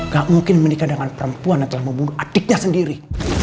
gak mungkin menikah dengan perempuan atau membunuh adiknya sendiri